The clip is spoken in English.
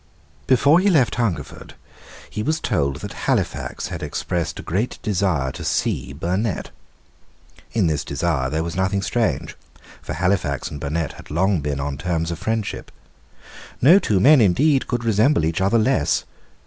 Before he left Hungerford, he was told that Halifax had expressed a great desire to see Burnet. In this desire there was nothing strange; for Halifax and Burnet had long been on terms of friendship. No two men, indeed, could resemble each other less.